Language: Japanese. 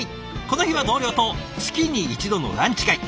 この日は同僚と月に１度のランチ会。